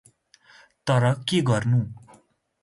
तर के गर्नु !